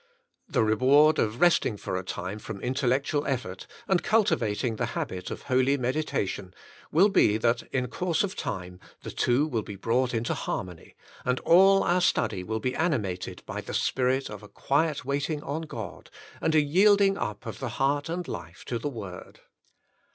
The reward of resting for a time from intel lectual effort, and cultivating the habit of holy meditation, will be that in course of time the two will be brought into harmony, and all our study be animated by the spirit of a quiet waiting on God, and a yielding up of the heart and life to the Word.